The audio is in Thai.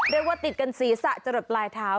เรียกว่าติดกันศีรษะจะหลดปลายเท้า